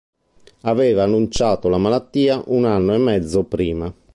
Aveva annunciato la malattia un anno e mezzo prima.